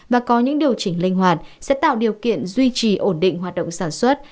và có những điều chỉnh linh hoạt sẽ tạo điều kiện duy trì ổn định hoạt động sản xuất